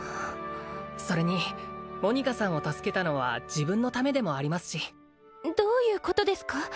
それにモニカさんを助けたのは自分のためでもありますしどういうことですか？